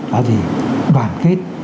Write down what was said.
đó là bản kết